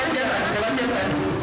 dan juga kita bisa mengambil